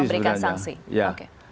satu lagi sebenarnya